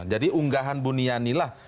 jadi unggahan buniani lah